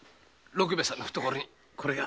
六兵衛さんの懐にこれが。